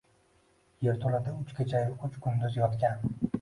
Yerto‘lada uch kecha-yu uch kunduz yotgan